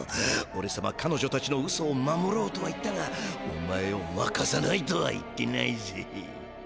おれさま彼女たちのウソを守ろうとは言ったがお前を負かさないとは言ってないぜ。